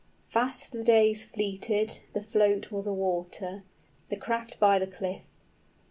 Fast the days fleeted; the float was a water, The craft by the cliff.